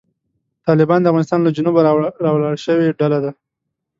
طالبان د افغانستان له جنوبه راولاړه شوې ډله ده.